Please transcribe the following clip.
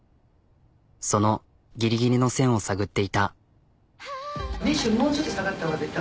そのギリギリの線を探っていた。